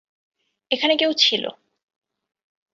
এখানে কেউ ছিল।